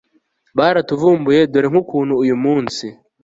baratuvumbuye dore nkukuntu uyu munsi